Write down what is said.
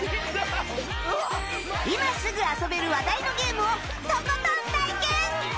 今すぐ遊べる話題のゲームをとことん体験！